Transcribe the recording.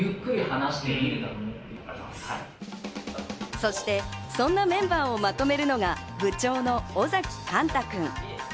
そして、そんなメンバーをまとめるのが部長の尾崎貫太くん。